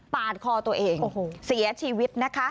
ปาดคอตัวเองเสียชีวิตนะคะ